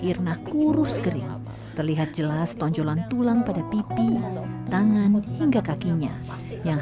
irna kurus kering terlihat jelas tonjolan tulang pada pipi tangan hingga kakinya yang